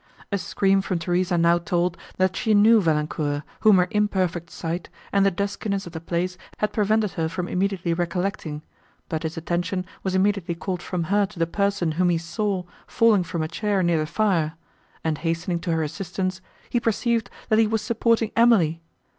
A scream from Theresa now told, that she knew Valancourt, whom her imperfect sight, and the duskiness of the place had prevented her from immediately recollecting; but his attention was immediately called from her to the person, whom he saw, falling from a chair near the fire; and, hastening to her assistance,—he perceived, that he was supporting Emily!